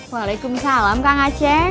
waalaikumsalam kang aceh